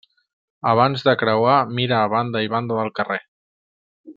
Abans de creuar mira a banda i banda del carrer.